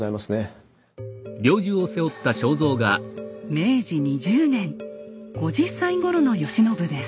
明治２０年５０歳ごろの慶喜です。